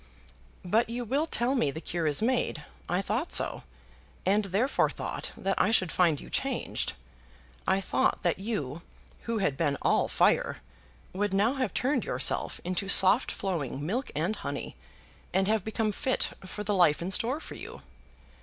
"But you will tell me the cure was made. I thought so, and therefore thought that I should find you changed. I thought that you, who had been all fire, would now have turned yourself into soft flowing milk and honey, and have become fit for the life in store for you.